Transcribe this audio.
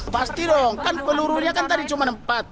pasti dong kan pelurunya kan tadi cuma empat